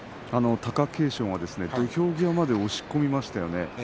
貴景勝は土俵際まで押し込みましたよね。